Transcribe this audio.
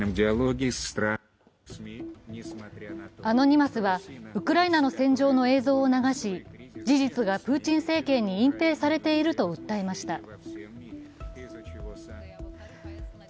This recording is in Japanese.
アノニマスはウクライナの戦場の映像を流し事実がプーチン政権に隠蔽されていると訴えました。